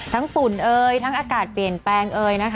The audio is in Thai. ทั้งฝุ่นเอ้ยทั้งอากาศเปลี่ยนแปลงเอ้ย